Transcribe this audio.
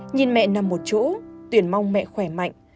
nhìn mẹ nằm một chỗ tuyển mong mẹ khỏe mạnh